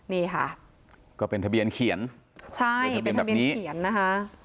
นี่ค่ะก็เป็นทะเบียนเขียนใช่เป็นทะเบียนเขียนนะคะ